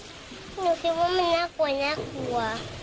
หนูคิดว่ามันน่ากลัว